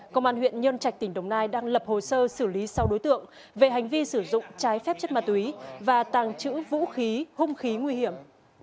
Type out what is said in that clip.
công an huyện nhân trạch tỉnh đồng nai đang lập hồ sơ xử lý sau đối tượng về hành vi sử dụng trái phép chất ma túy và tàng trữ vũ khí hung khí nguy hiểm